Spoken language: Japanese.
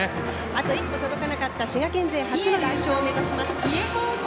あと一歩届かなかった滋賀県勢初の優勝を目指します。